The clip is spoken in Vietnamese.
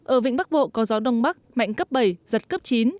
ở vịnh bắc bộ có gió đông bắc mạnh cấp bảy giật cấp chín